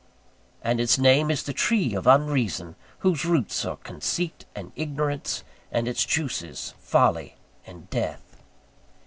And its name is the Tree of Unreason, whose roots are conceit and ignorance, and its juices folly and death.